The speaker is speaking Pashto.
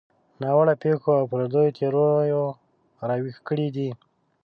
ناوړه پېښو او پردیو تیریو راویښ کړي دي.